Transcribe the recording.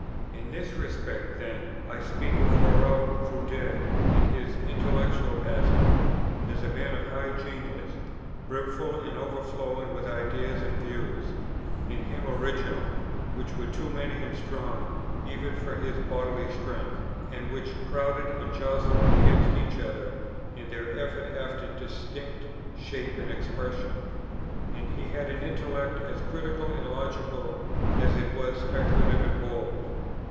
In this respect then, I speak of Hurrell Froude, in his intellectual aspect, as a man of high genius, brimful and overflowing with ideas and views, in him original, which were too many and strong even for his bodily strength, and which crowded and jostled against each other in their effort after distinct shape and expression. And he had an intellect as critical and logical as it was speculative and bold.